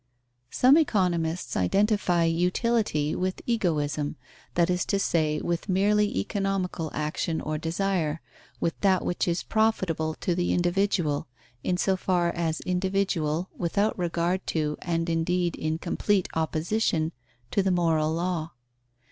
_ Some economists identify utility with egoïsm, that is to say, with merely economical action or desire, with that which is profitable to the individual, in so far as individual, without regard to and indeed in complete opposition to the moral law.